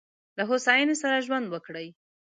له هوساینې سره ژوند وکړئ.